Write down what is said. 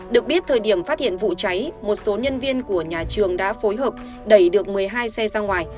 được biết thời điểm phát hiện vụ cháy một số nhân viên của nhà trường đã phối hợp đẩy được một mươi hai xe ra ngoài